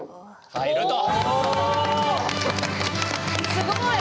すごい！